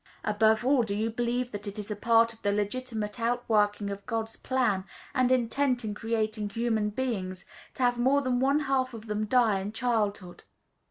Above all, do you believe that it is a part of the legitimate outworking of God's plan and intent in creating human beings to have more than one half of them die in childhood?